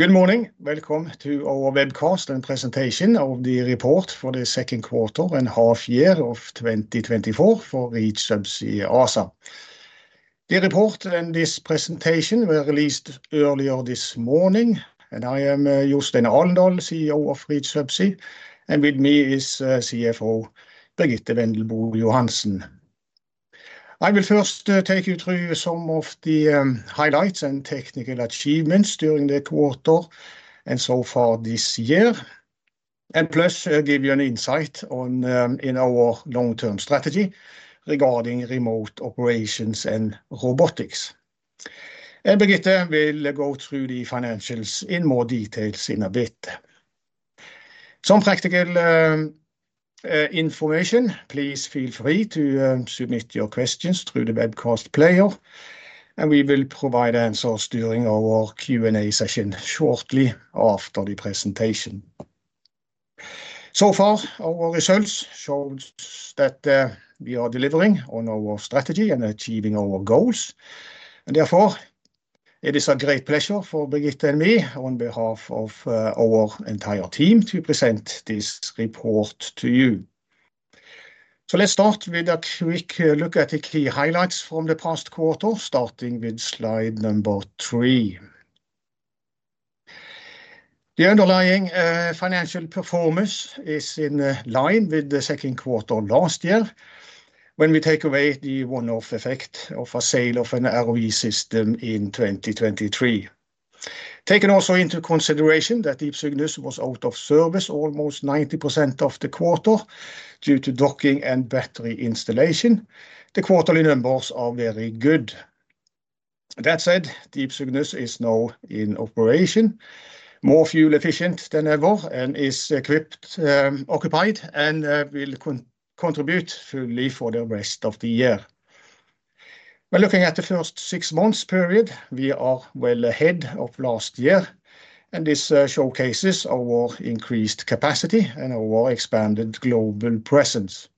Good morning. Welcome to our Webcast and Presentation of the Report for the Second Quarter and Half Year of 2024 for Reach Subsea ASA. The report and this presentation were released earlier this morning, and I am Jostein Aaldal, CEO of Reach Subsea, and with me is CFO Birgitte Vendelbo Johansen. I will first take you through some of the highlights and technical achievements during the quarter and so far this year, and plus give you an insight on in our long-term strategy regarding remote operations and robotics. And Birgitte will go through the financials in more details in a bit. Some practical information, please feel free to submit your questions through the webcast player, and we will provide answers during our Q&A session shortly after the presentation. So far, our results shows that we are delivering on our strategy and achieving our goals, and therefore, it is a great pleasure for Birgitte and me, on behalf of our entire team, to present this report to you. Let's start with a quick look at the key highlights from the past quarter, starting with slide number three. The underlying financial performance is in line with the second quarter last year when we take away the one-off effect of a sale of an ROV system in 2023. Taken also into consideration that the Deep Cygnus was out of service almost 90% of the quarter due to docking and battery installation, the quarterly numbers are very good. That said, Deep Cygnus is now in operation, more fuel efficient than ever and is equipped, occupied, and will contribute fully for the rest of the year. Looking at the first six months period, we are well ahead of last year, and this showcases our increased capacity and our expanded global presence.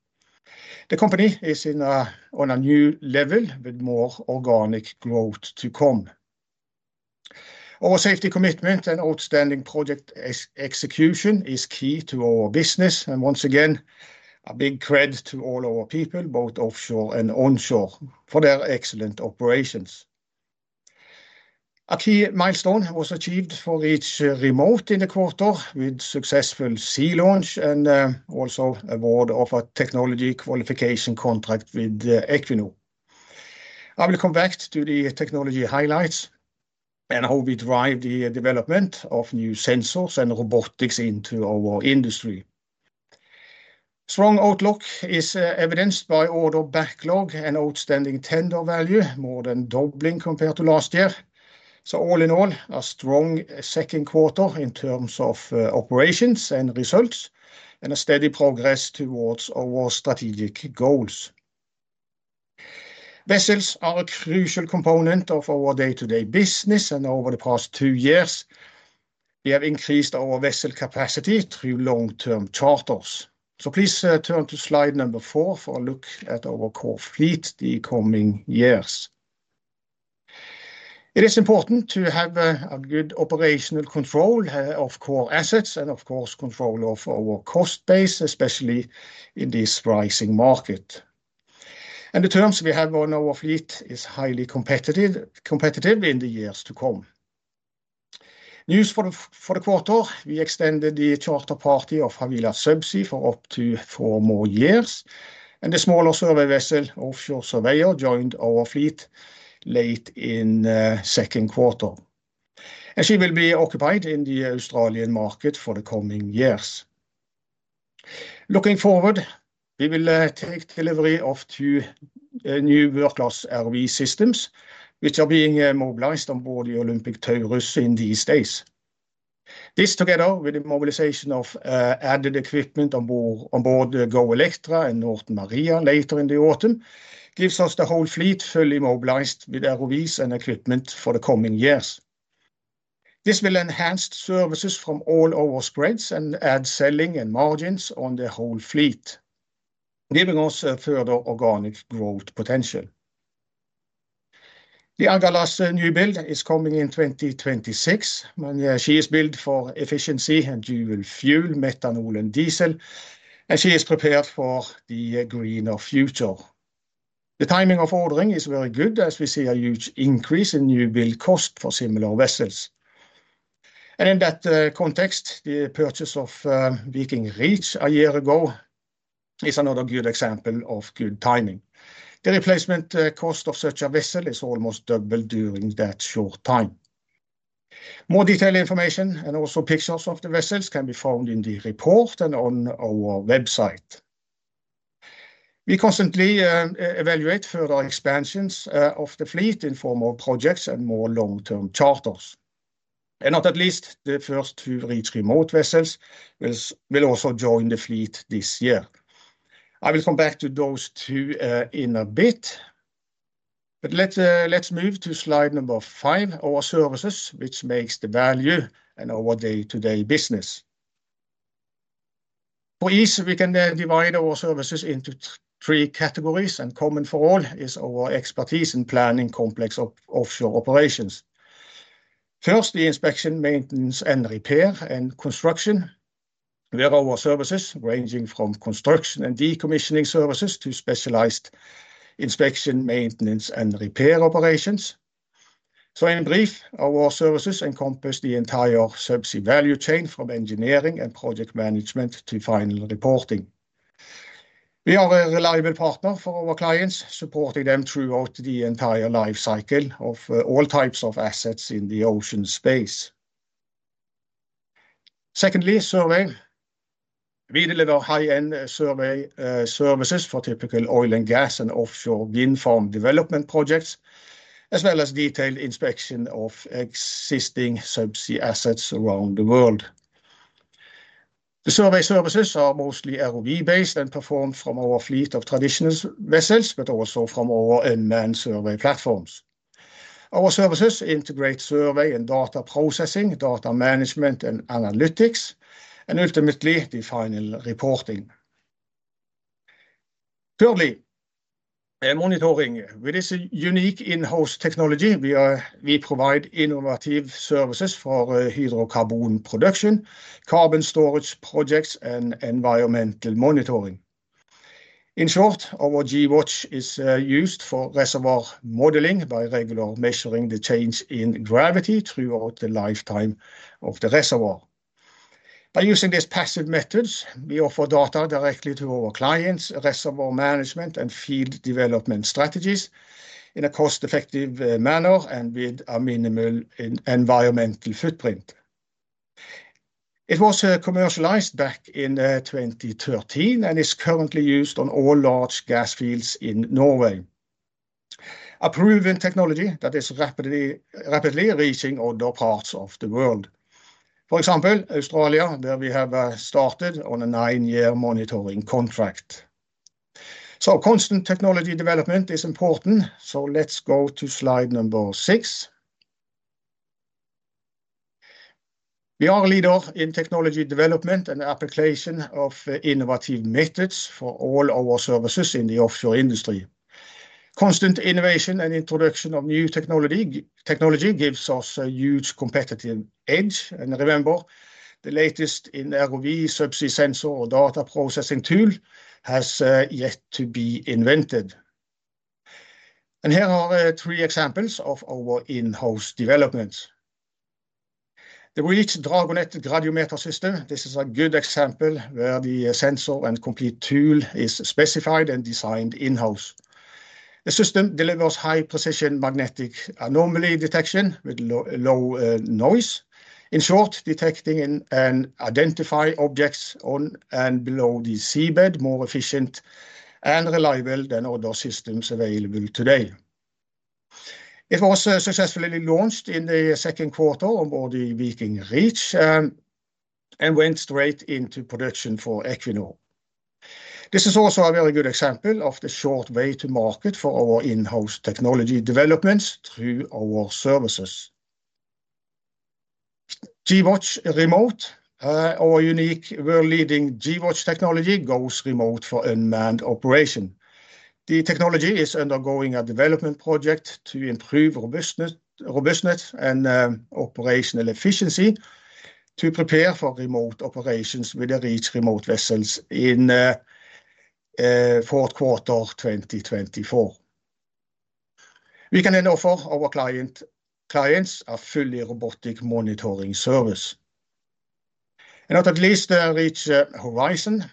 The company is on a new level with more organic growth to come. Our safety commitment and outstanding project execution is key to our business, and once again, a big credit to all our people, both offshore and onshore, for their excellent operations. A key milestone was achieved for Reach Remote in the quarter, with successful sea launch and also award of a technology qualification contract with Equinor. I will come back to the technology highlights and how we drive the development of new sensors and robotics into our industry. Strong outlook is evidenced by order backlog and outstanding tender value, more than doubling compared to last year. All in all, a strong second quarter in terms of operations and results, and a steady progress towards our strategic goals. Vessels are a crucial component of our day-to-day business, and over the past two years, we have increased our vessel capacity through long-term charters. Please turn to slide number four for a look at our core fleet, the coming years. It is important to have a good operational control of core assets and of course, control of our cost base, especially in this rising market. The terms we have on our fleet is highly competitive in the years to come. News for the quarter, we extended the charter party of Havila Subsea for up to four more years, and the smaller survey vessel, Offshore Surveyor, joined our fleet late in second quarter, and she will be occupied in the Australian market for the coming years. Looking forward, we will take delivery of two new world-class ROV systems, which are being mobilized on board the Olympic Taurus in these days. This, together with the mobilization of added equipment on board the GO Electra and Northern Maria later in the autumn, gives us the whole fleet fully mobilized with ROVs and equipment for the coming years. This will enhance services from all our spreads and add selling and margins on the whole fleet, giving us a further organic growth potential. The Agalas new build is coming in 2026, and she is built for efficiency and dual fuel, methanol and diesel, and she is prepared for the greener future. The timing of ordering is very good, as we see a huge increase in new build cost for similar vessels. And in that context, the purchase of Viking Reach a year ago is another good example of good timing. The replacement cost of such a vessel is almost double during that short time. More detailed information and also pictures of the vessels can be found in the report and on our website. We constantly evaluate further expansions of the fleet in form of projects and more long-term charters. And not least, the first two Reach Remote vessels will also join the fleet this year. I will come back to those two in a bit. But let's move to slide number five, our services, which makes the value and our day-to-day business. For ease, we can then divide our services into three categories, and common for all is our expertise in planning complex of offshore operations. First, the inspection, maintenance, and repair, and construction, where our services ranging from construction and decommissioning services to specialized inspection, maintenance, and repair operations. So in brief, our services encompass the entire subsea value chain from engineering and project management to final reporting. We are a reliable partner for our clients, supporting them throughout the entire life cycle of all types of assets in the ocean space. Secondly, survey. We deliver high-end survey services for typical oil and gas and offshore wind farm development projects, as well as detailed inspection of existing subsea assets around the world. The survey services are mostly ROV-based and performed from our fleet of traditional vessels, but also from our unmanned survey platforms. Our services integrate survey and data processing, data management and analytics, and ultimately, the final reporting. Thirdly, monitoring. With this unique in-house technology, we provide innovative services for hydrocarbon production, carbon storage projects, and environmental monitoring. In short, our gWatch is used for reservoir modeling by regular measuring the change in gravity throughout the lifetime of the reservoir. By using these passive methods, we offer data directly to our clients, reservoir management, and field development strategies in a cost-effective manner and with a minimal environmental footprint. It was commercialized back in 2013, and is currently used on all large gas fields in Norway. A proven technology that is rapidly reaching other parts of the world. For example, Australia, where we have started on a nine-year monitoring contract, so constant technology development is important, so let's go to slide number six. We are a leader in technology development and application of innovative methods for all our services in the offshore industry. Constant innovation and introduction of new technology gives us a huge competitive edge, and remember, the latest in ROV subsea sensor or data processing tool has yet to be invented, and here are three examples of our in-house developments. The Reach Dragonet gradiometer system, this is a good example where the sensor and complete tool is specified and designed in-house. The system delivers high-precision magnetic anomaly detection with low noise. In short, detecting and identify objects on and below the seabed, more efficient and reliable than other systems available today. It was successfully launched in the second quarter on board the Viking Reach and went straight into production for Equinor. This is also a very good example of the short way to market for our in-house technology developments through our services. gWatch Remote, our unique world-leading gWatch technology goes remote for unmanned operation. The technology is undergoing a development project to improve robustness and operational efficiency to prepare for remote operations with the Reach Remote vessels in fourth quarter, 2024. We can then offer our clients a fully robotic monitoring service. Last but not least, Reach Horizon.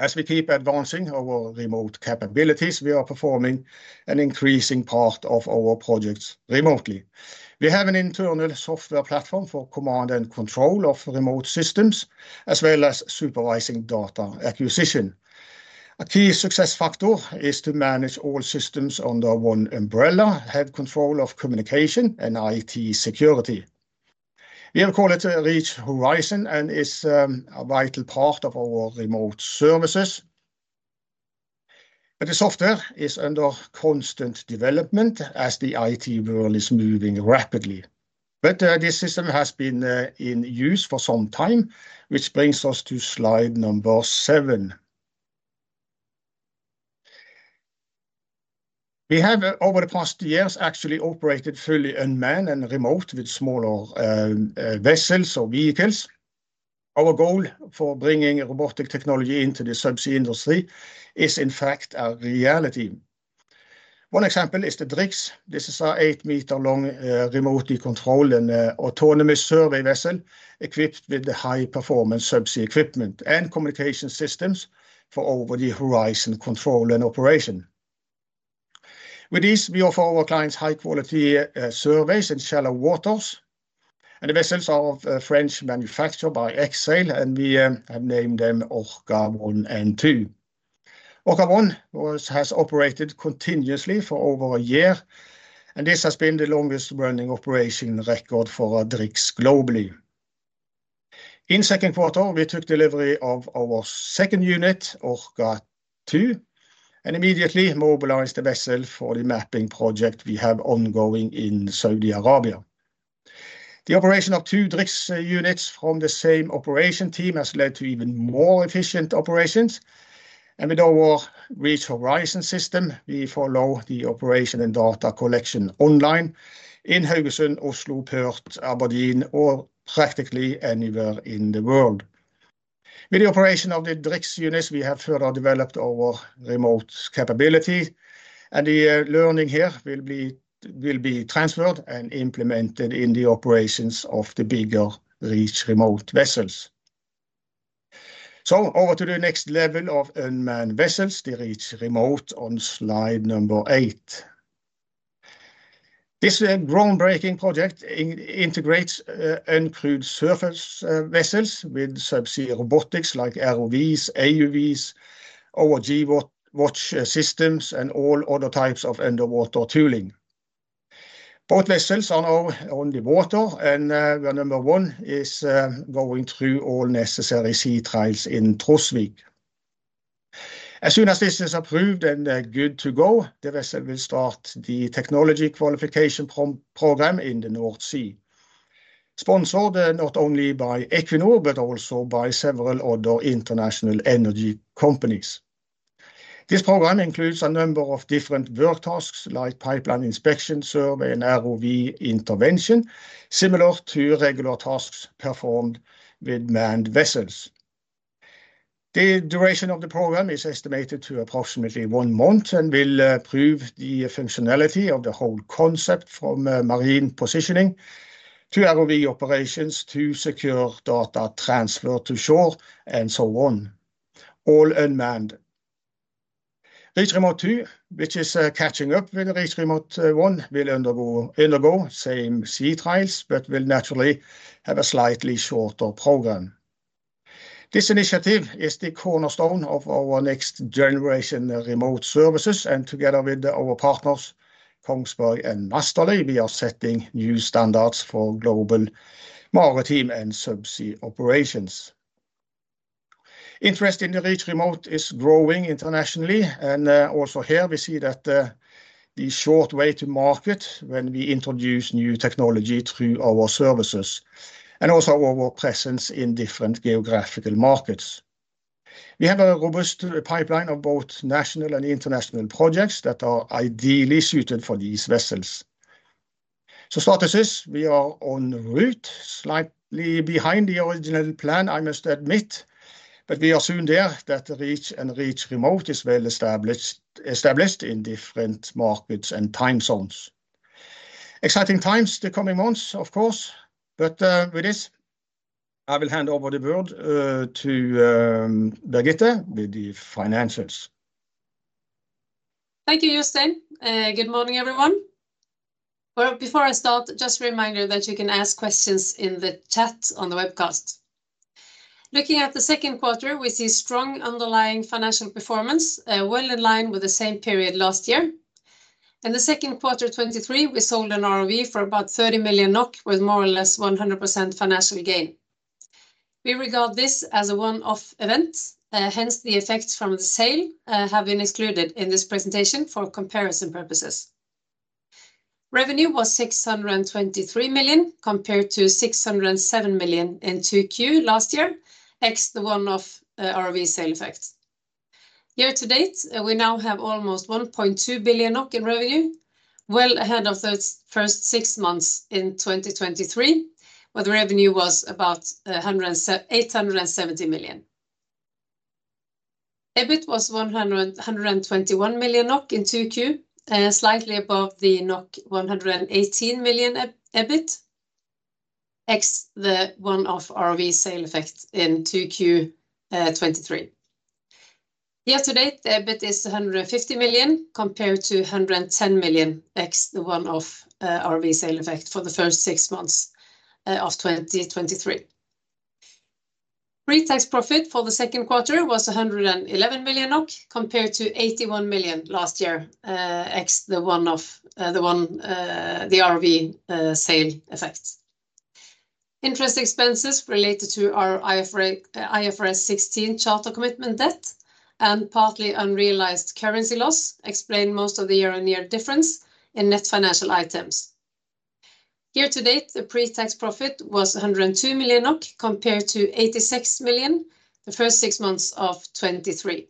As we keep advancing our remote capabilities, we are performing an increasing part of our projects remotely. We have an internal software platform for command and control of remote systems, as well as supervising data acquisition. A key success factor is to manage all systems under one umbrella, have control of communication and IT security. We have called it Reach Horizon, and it's a vital part of our remote services. But the software is under constant development as the IT world is moving rapidly. But this system has been in use for some time, which brings us to slide number seven. We have, over the past years, actually operated fully unmanned and remote with smaller vessels or vehicles. Our goal for bringing robotic technology into the subsea industry is, in fact, a reality. One example is the DriX. This is our eight-meter long, remotely controlled and autonomous survey vessel, equipped with the high-performance subsea equipment and communication systems for over-the-horizon control and operation. With this, we offer our clients high quality surveys in shallow waters, and the vessels are of a French manufacturer by Exail, and we have named them Orca One and Two. Orca One has operated continuously for over a year, and this has been the longest running operation record for our DriX globally. In second quarter, we took delivery of our second unit, Orca Two, and immediately mobilized the vessel for the mapping project we have ongoing in Saudi Arabia. The operation of two DriX units from the same operation team has led to even more efficient operations, and with our Reach Horizon system, we follow the operation and data collection online in Haugesund, Oslo, Perth, Aberdeen, or practically anywhere in the world. With the operation of the DriX units, we have further developed our remote capability, and the learning here will be transferred and implemented in the operations of the bigger Reach Remote vessels. Over to the next level of unmanned vessels, the Reach Remote on slide number eight. This groundbreaking project integrates uncrewed surface vessels with subsea robotics like ROVs, AUVs, our gWatch systems, and all other types of underwater tooling. Both vessels are now on the water, and number one is going through all necessary sea trials in Trosvik. As soon as this is approved and good to go, the vessel will start the technology qualification program in the North Sea, sponsored not only by Equinor, but also by several other international energy companies. This program includes a number of different work tasks, like pipeline inspection, survey, and ROV intervention, similar to regular tasks performed with manned vessels. The duration of the program is estimated to approximately one month and will prove the functionality of the whole concept from marine positioning to ROV operations, to secure data transfer to shore, and so on, all unmanned. Reach Remote 2, which is catching up with the Reach Remote 1, will undergo same sea trials, but will naturally have a slightly shorter program. This initiative is the cornerstone of our next generation remote services, and together with our partners, Kongsberg and Massterly, we are setting new standards for global maritime and subsea operations. Interest in the Reach Remote is growing internationally, and also here we see that the short way to market when we introduce new technology through our services, and also our presence in different geographical markets. We have a robust pipeline of both national and international projects that are ideally suited for these vessels. So status is, we are on route, slightly behind the original plan, I must admit, but we are soon there, that Reach and Reach Remote is well-established in different markets and time zones. Exciting times the coming months, of course, but with this, I will hand over the word to Birgitte with the financials. Thank you, Jostein. Good morning, everyone. Before I start, just a reminder that you can ask questions in the chat on the webcast. Looking at the second quarter, we see strong underlying financial performance, well in line with the same period last year. In the second quarter of 2023, we sold an ROV for about 30 million NOK, with more or less 100% financial gain. We regard this as a one-off event, hence, the effects from the sale have been excluded in this presentation for comparison purposes. Revenue was 623 million, compared to 607 million in 2Q last year, ex the one-off ROV sale effect. Year-to-date, we now have almost 1.2 billion NOK in revenue, well ahead of the first six months in 2023, where the revenue was about eight hundred and seventy million. EBIT was 121 million NOK n 2Q, slightly above the 118 million EBIT, ex the one-off ROV sale effect in 2Q 2023. Year-to-date, the EBIT is 150 million, compared to 110 million, ex the one-off ROV sale effect for the first six months of 2023. Pre-tax profit for the second quarter was 117 million, compared to 81 million last year, ex the one-off ROV sale effects. Interest expenses related to our IFRS 16 charter commitment debt, and partly unrealized currency loss, explain most of the year-on-year difference in net financial items. Year-to-date, the pre-tax profit was 102 million NOK, compared to 86 million NOK the first six months of 2023.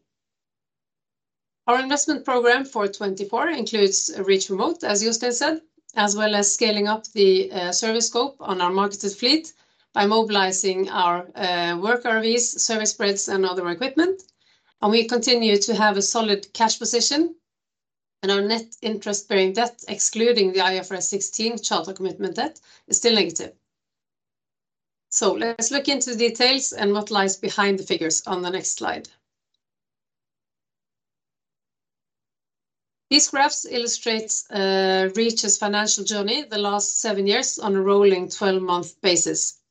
Our investment program for 2024 includes a Reach Remote, as Jostein said, as well as scaling up the service scope on our marketed fleet by mobilizing our work ROVs, service spreads, and other equipment, and we continue to have a solid cash position, and our net interest-bearing debt, excluding the IFRS 16 charter commitment debt, is still negative. So let's look into the details and what lies behind the figures on the next slide. These graphs illustrates Reach's financial journey the last seven years on a rolling 12-month basis.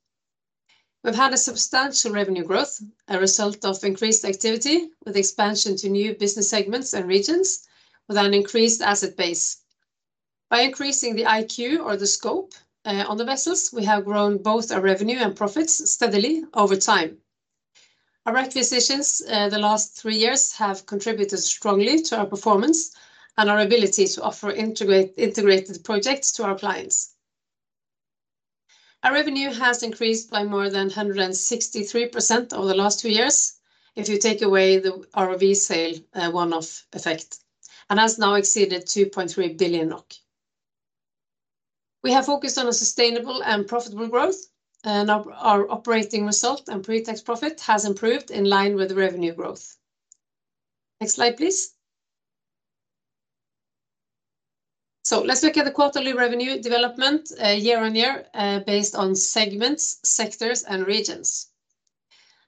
We've had a substantial revenue growth, a result of increased activity, with expansion to new business segments and regions with an increased asset base. By increasing the IQ or the scope on the vessels, we have grown both our revenue and profits steadily over time. Our acquisitions the last three years have contributed strongly to our performance and our ability to offer integrated projects to our clients. Our revenue has increased by more than 163% over the last two years, if you take away the ROV sale one-off effect, and has now exceeded 2.3 billion NOK. We have focused on a sustainable and profitable growth, and our operating result and pre-tax profit has improved in line with the revenue growth. Next slide, please. So let's look at the quarterly revenue development, year on year, based on segments, sectors, and regions.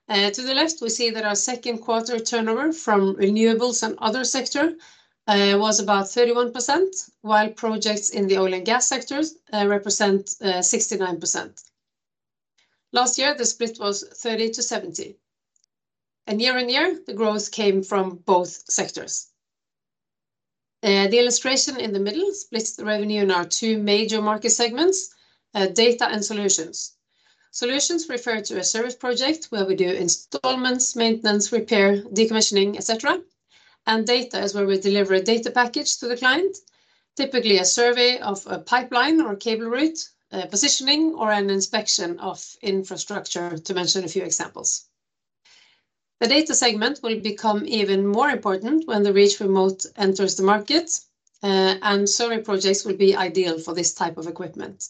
To the left, we see that our second quarter turnover from renewables and other sector was about 31%, while projects in the oil and gas sectors represent 69%. Last year, the split was 30%-70%, and year on year, the growth came from both sectors. The illustration in the middle splits the revenue in our two major market segments, data and solutions. Solutions refer to a service project where we do installments, maintenance, repair, decommissioning, et cetera, and data is where we deliver a data package to the client. Typically, a survey of a pipeline or cable route, positioning or an inspection of infrastructure, to mention a few examples. The data segment will become even more important when the Reach Remote enters the market, and survey projects will be ideal for this type of equipment.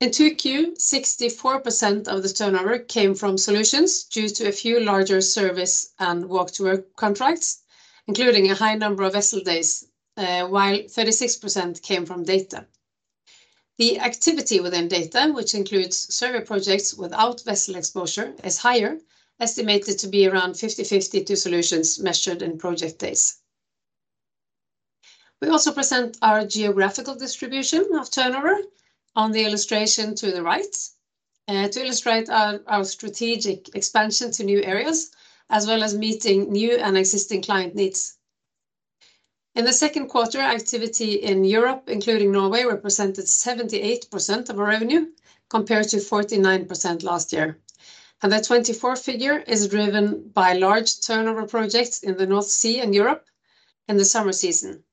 In 2Q, 64% of the turnover came from solutions due to a few larger service and work to work contracts, including a high number of vessel days, while 36% came from data. The activity within data, which includes survey projects without vessel exposure, is higher, estimated to be around 50/50 to solutions measured in project days. We also present our geographical distribution of turnover on the illustration to the right, to illustrate our strategic expansion to new areas, as well as meeting new and existing client needs. In the second quarter, activity in Europe, including Norway, represented 78% of our revenue, compared to 49% last year. And the 2024 figure is driven by large turnover projects in the North Sea and Europe in the summer season.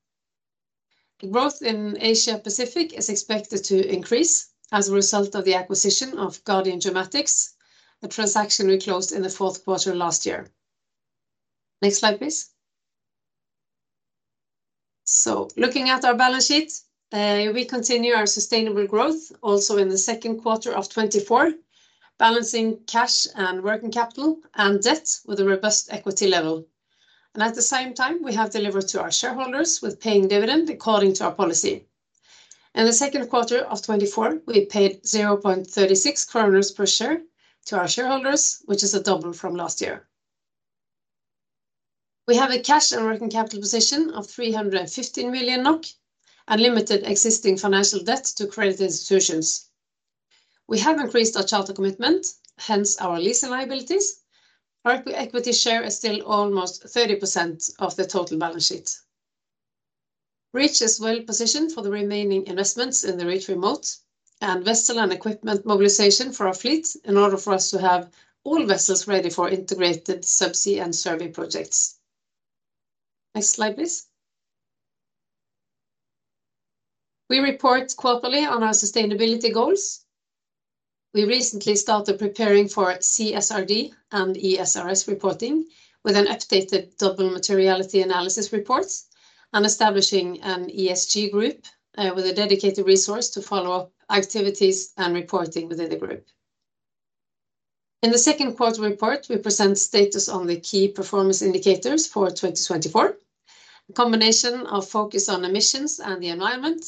The growth in Asia Pacific is expected to increase as a result of the acquisition of Guardian Geomatics, a transaction we closed in the fourth quarter last year. Next slide, please. So looking at our balance sheet, we continue our sustainable growth also in the second quarter of 2024, balancing cash and working capital and debt with a robust equity level. And at the same time, we have delivered to our shareholders with paying dividend according to our policy. In the second quarter of 2024, we paid 0.36 kroner per share to our shareholders, which is a double from last year. We have a cash and working capital position of 315 million NOK and limited existing financial debt to credit institutions. We have increased our charter commitment, hence our leasing liabilities. Our equity share is still almost 30% of the total balance sheet. Reach is well positioned for the remaining investments in the Reach Remote and vessel and equipment mobilization for our fleet in order for us to have all vessels ready for integrated subsea and survey projects. Next slide, please. We report quarterly on our sustainability goals. We recently started preparing for CSRD and ESRS reporting with an updated double materiality analysis reports and establishing an ESG group, with a dedicated resource to follow up activities and reporting within the group. In the second quarter report, we present status on the key performance indicators for 2024. A combination of focus on emissions and the environment,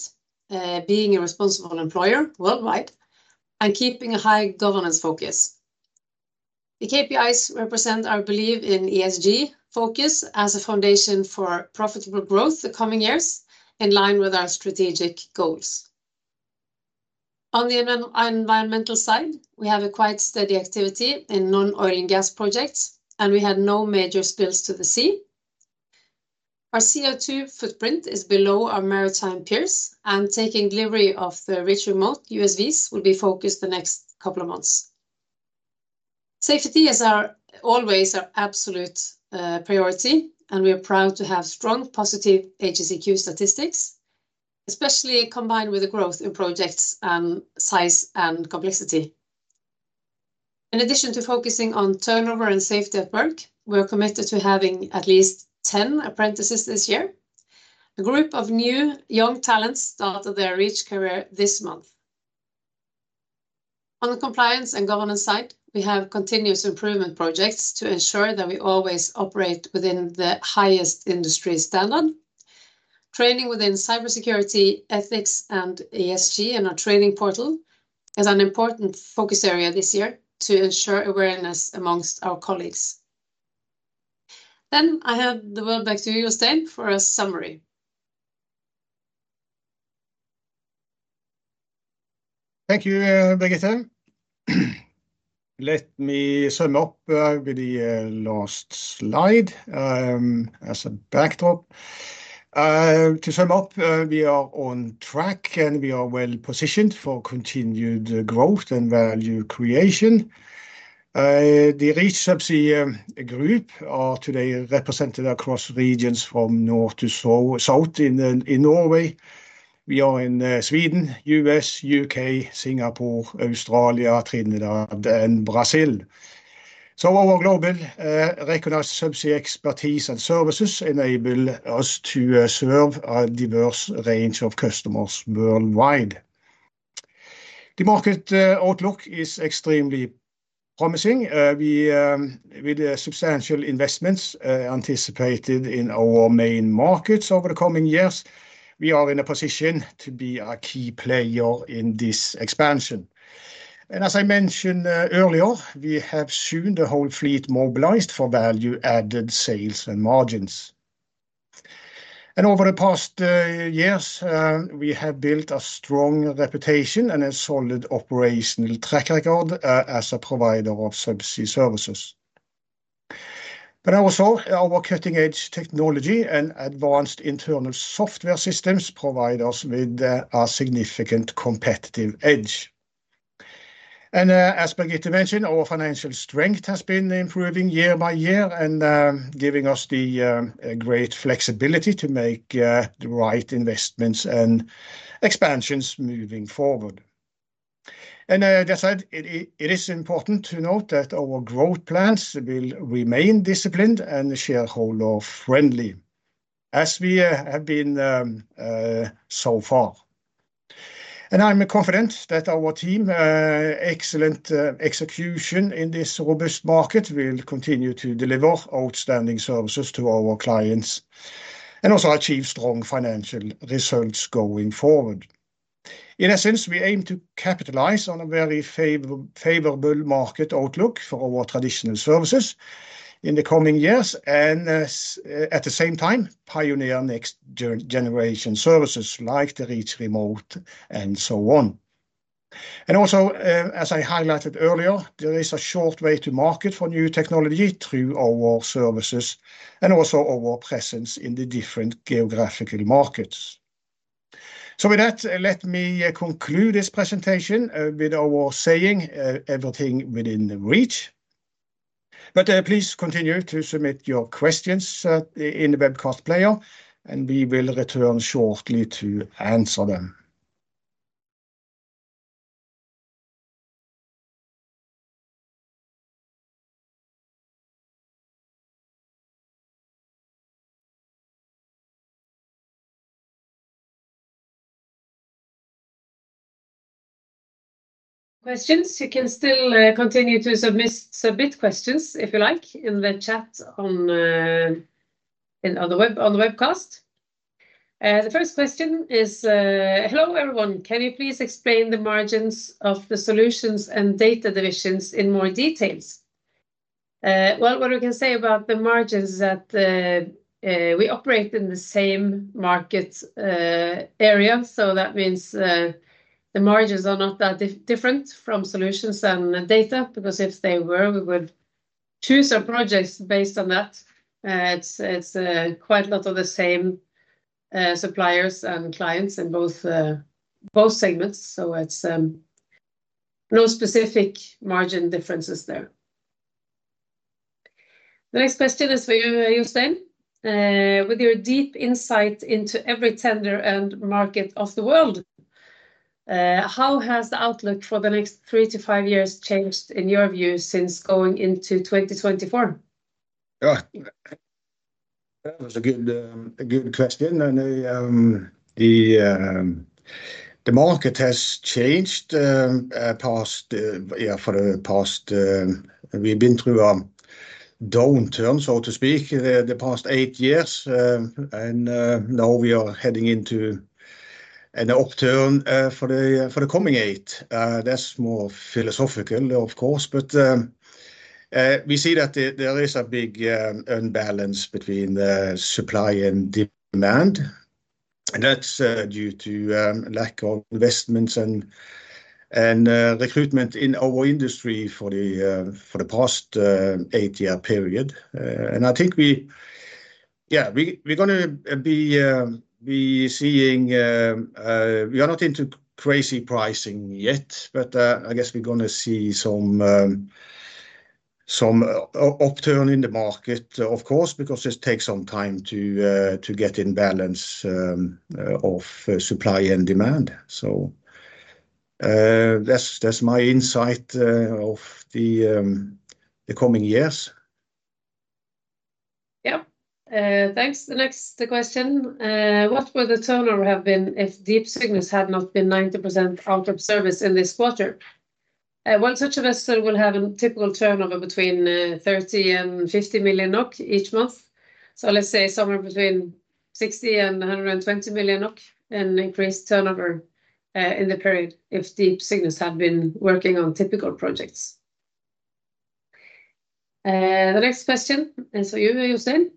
being a responsible employer worldwide and keeping a high governance focus. The KPIs represent our belief in ESG focus as a foundation for profitable growth the coming years, in line with our strategic goals. On the environmental side, we have a quite steady activity in non-oil and gas projects, and we had no major spills to the sea. Our CO2 footprint is below our maritime peers, and taking delivery of the Reach Remote USVs will be focused the next couple of months. Safety is our always our absolute priority, and we are proud to have strong, positive HSEQ statistics, especially combined with the growth in projects, size and complexity. In addition to focusing on turnover and safety at work, we are committed to having at least 10 apprentices this year. A group of new young talents started their Reach career this month. On the compliance and governance side, we have continuous improvement projects to ensure that we always operate within the highest industry standard. Training within cybersecurity, ethics, and ESG in our training portal is an important focus area this year to ensure awareness among our colleagues. Then I hand the word back to you, Jostein, for a summary. Thank you, Birgitte. Let me sum up with the last slide as a backdrop. To sum up, we are on track, and we are well-positioned for continued growth and value creation. The Reach Subsea Group are today represented across regions from north to south in Norway. We are in Sweden, U.S., U.K., Singapore, Australia, Trinidad, and Brazil. So our global recognized subsea expertise and services enable us to serve a diverse range of customers worldwide. The market outlook is extremely promising. With the substantial investments anticipated in our main markets over the coming years, we are in a position to be a key player in this expansion, as I mentioned earlier, we have soon the whole fleet mobilized for value-added sales and margins. And over the past years we have built a strong reputation and a solid operational track record as a provider of subsea services. But also, our cutting-edge technology and advanced internal software systems provide us with a significant competitive edge. And as Birgitte mentioned, our financial strength has been improving year by year, and giving us the great flexibility to make the right investments and expansions moving forward. And as I said, it is important to note that our growth plans will remain disciplined and shareholder-friendly, as we have been so far. And I'm confident that our team's excellent execution in this robust market will continue to deliver outstanding services to our clients, and also achieve strong financial results going forward. In essence, we aim to capitalize on a very favorable market outlook for our traditional services in the coming years, and, at the same time, pioneer next generation services like the Reach Remote, and so on. Also, as I highlighted earlier, there is a short way to market for new technology through our services, and also our presence in the different geographical markets. With that, let me conclude this presentation, with our saying, "Everything within reach." Please continue to submit your questions, in the webcast player, and we will return shortly to answer them. Questions, you can still continue to submit questions if you like, in the chat on the webcast. The first question is: Hello, everyone. Can you please explain the margins of the solutions and data divisions in more details? Well, what we can say about the margins is that we operate in the same market area, so that means the margins are not that different from solutions and data, because if they were, we would choose our projects based on that. It's quite a lot of the same suppliers and clients in both segments, so it's no specific margin differences there. The next question is for you, Jostein. With your deep insight into every tender and market of the world, how has the outlook for the next three to five years changed in your view since going into 2024? Yeah. That was a good question, and the market has changed for the past. We've been through a downturn, so to speak, the past eight years, and now we are heading into an upturn for the coming eight. That's more philosophical, of course, but we see that there is a big unbalance between the supply and demand, and that's due to lack of investments and recruitment in our industry for the past eight-year period. And I think we're gonna be seeing. We are not into crazy pricing yet, but I guess we're gonna see some upturn in the market, of course, because it takes some time to get in balance of supply and demand. So that's my insight of the coming years. Yeah. Thanks. The next question: What would the turnover have been if Deep Cygnus had not been 90% out of service in this quarter? Well, such a vessel will have a typical turnover between 30 million and 50 million NOK each month. So let's say somewhere between 60 million and 120 million NOK in increased turnover in the period if Deep Cygnus had been working on typical projects. The next question is for you, Jostein: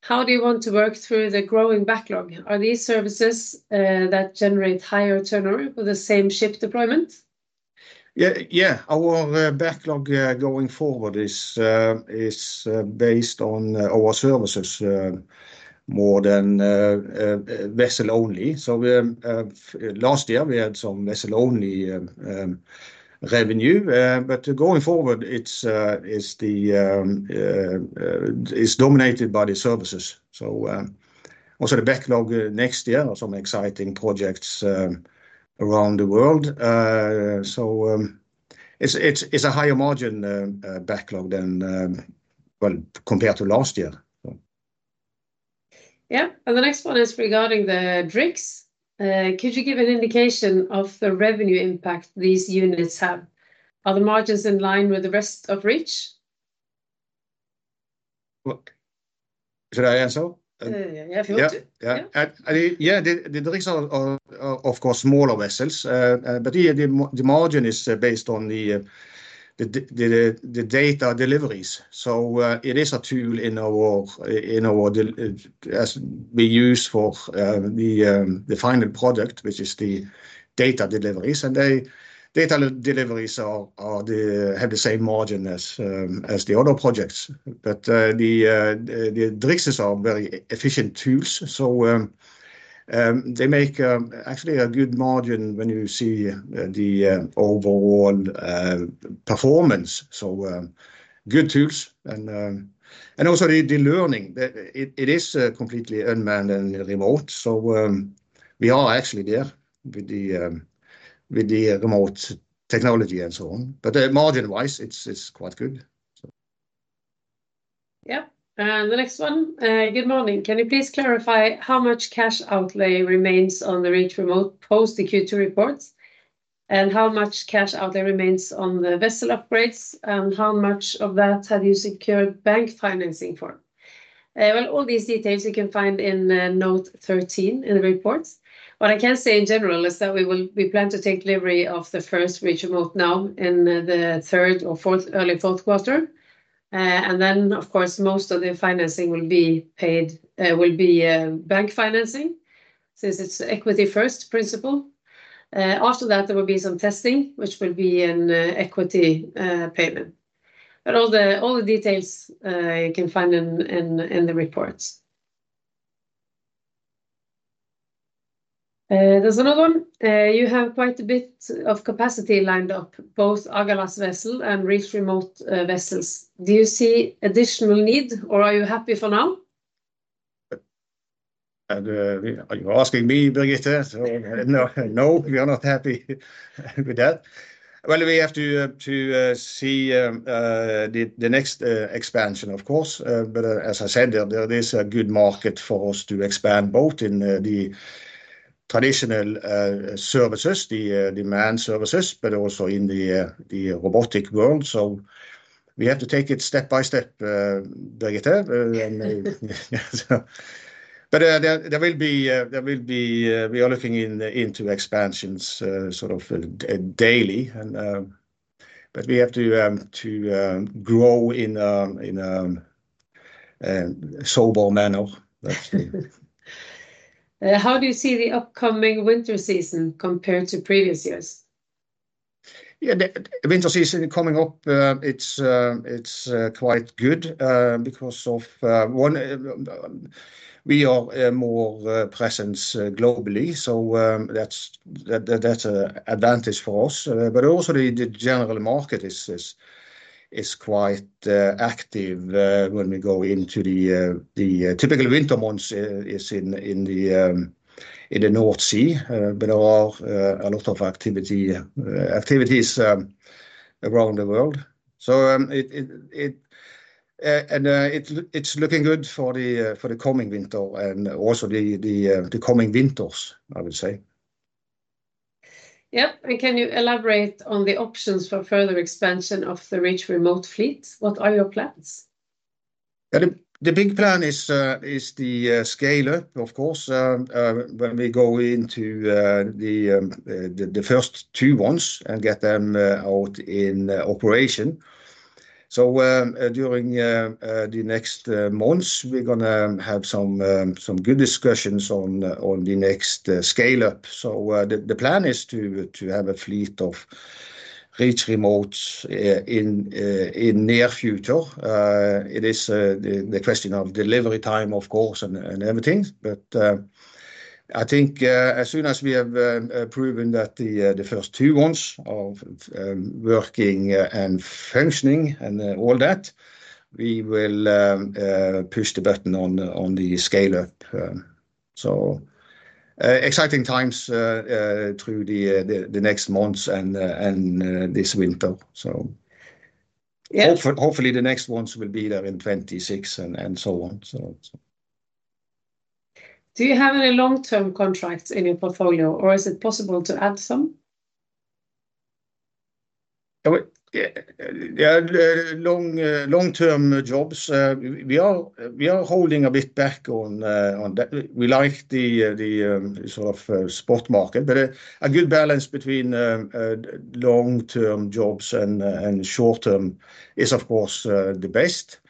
How do you want to work through the growing backlog? Are these services that generate higher turnover with the same ship deployment? Yeah, yeah, our backlog going forward is based on our services more than vessel only. So we last year, we had some vessel only revenue. But going forward, it's dominated by the services. So also the backlog next year are some exciting projects around the world. So it's a higher margin backlog than well compared to last year. Yeah, and the next one is regarding the DriX. Could you give an indication of the revenue impact these units have? Are the margins in line with the rest of Reach? Look, should I answer? Yeah, if you want to. Yeah, yeah. Yeah. Yeah, the DriX are, of course, smaller vessels. The margin is based on the data deliveries. It is a tool in our world as we use for the final product, which is the data deliveries. The data deliveries have the same margin as the other projects. The DriX are very efficient tools. They make actually a good margin when you see the overall performance. Good tools. It is completely unmanned and remote. We are actually there with the remote technology and so on. Margin-wise, it's quite good. Yeah. And the next one: good morning. Can you please clarify how much cash outlay remains on the Reach Remote post the Q2 reports, and how much cash outlay remains on the vessel upgrades, and how much of that have you secured bank financing for? Well, all these details you can find in the note 13 in the reports. What I can say in general is that we plan to take delivery of the first Reach Remote now in the third or fourth, early fourth quarter. And then, of course, most of the financing will be bank financing, since it's equity first principle. After that, there will be some testing, which will be in equity payment. But all the details you can find in the reports. There's another one. You have quite a bit of capacity lined up, both Agalas vessel and Reach Remote vessels. Do you see additional need, or are you happy for now? Are you asking me, Birgitte? No, no, we are not happy with that. We have to see the next expansion, of course, but as I said, there is a good market for us to expand, both in the traditional services, the demand services, but also in the robotic world, so we have to take it step by step, Birgitte. There will be. We are looking into expansions, sort of daily, but we have to grow in a sober manner, actually. How do you see the upcoming winter season compared to previous years? Yeah, the winter season coming up, it's quite good because of one, we are more presence globally, so that's a advantage for us. But also the general market is quite active when we go into the typical winter months is in the North Sea. But there are a lot of activities around the world. So, it and it's looking good for the coming winter and also the coming winters, I would say. Yep, and can you elaborate on the options for further expansion of the Reach Remote fleet? What are your plans? The big plan is the scale-up, of course, when we go into the first two months and get them out in operation. So, during the next months, we're gonna have some good discussions on the next scale-up. So, the plan is to have a fleet of Reach Remotes in near future. It is the question of delivery time, of course, and everything. But, I think, as soon as we have proven that the first two months of working and functioning and all that, we will push the button on the scale-up. So, exciting times through the next months and this winter. So. Yeah Hopefully, the next months will be there in 2026 and so on. So. Do you have any long-term contracts in your portfolio, or is it possible to add some? Yeah, there are long-term jobs. We are holding a bit back on that. We like the sort of spot market, but a good balance between long-term jobs and short-term is of course the best.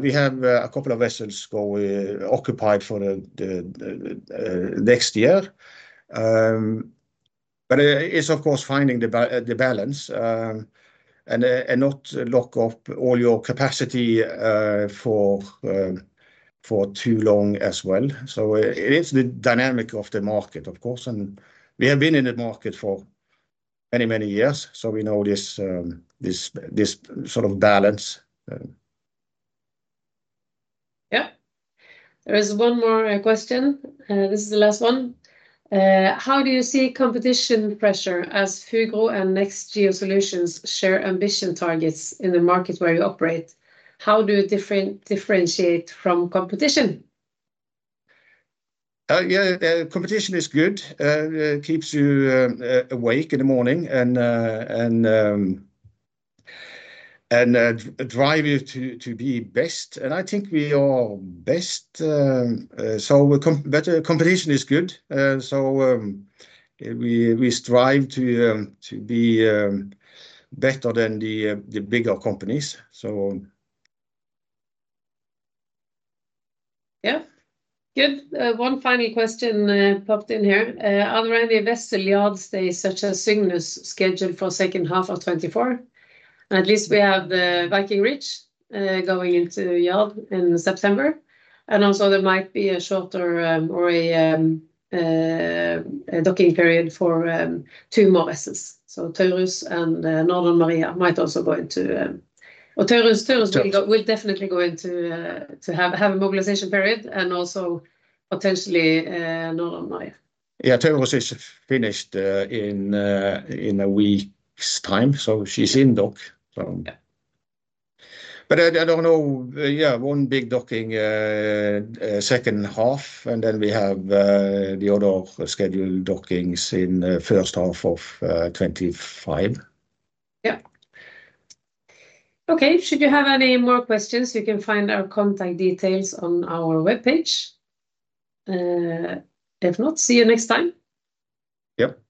We have a couple of vessels occupied for the next year, but it is, of course, finding the balance and not lock up all your capacity for too long as well, so it is the dynamic of the market, of course, and we have been in the market for many, many years, so we know this sort of balance. Yeah. There is one more question, this is the last one. How do you see competition pressure as Fugro and Next Geosolutions share ambition targets in the market where you operate? How do you differentiate from competition? Yeah, competition is good. It keeps you awake in the morning and drive you to be best, and I think we are best. So, but competition is good. So, we strive to be better than the bigger companies, so. Yeah. Good. One final question popped in here. Are there any vessel yard stays, such as Cygnus, scheduled for second half of 2024? At least we have the Viking Reach going into the yard in September. And also there might be a shorter or a docking period for two more vessels. So Taurus and Northern Maria might also go into. Well, Taurus will definitely go into to have a mobilization period and also potentially Northern Maria. Yeah, Taurus is finished in a week's time, so she's in dock, so. Yeah. But I don't know. Yeah, one big docking, second half, and then we have the other scheduled dockings in the first half of 2025. Yeah. Okay, should you have any more questions, you can find our contact details on our webpage. If not, see you next time. Yep.